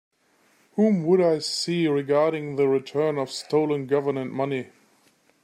Whom would I see regarding the return of stolen Government money?